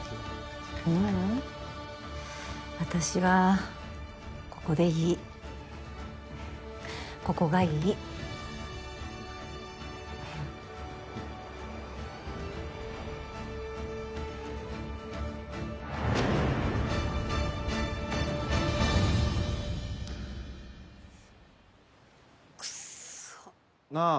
ううん私はここでいいここがいいくっさなあ